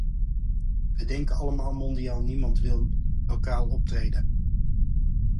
We denken allemaal mondiaal, niemand wil lokaal optreden.